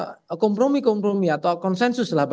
kalau soal itu saya kira kompromi kompromi atau konsensus lah ya